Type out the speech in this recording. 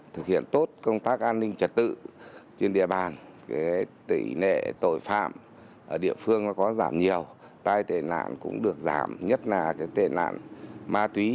thực hiện tốt công tác an ninh trật tự trên địa bàn tỷ lệ tội phạm ở địa phương có giảm nhiều tai tệ nạn cũng được giảm nhất là tệ nạn ma túy